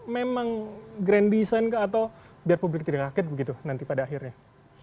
memang grand design kah atau biar publik tidak kaget begitu nanti pada akhirnya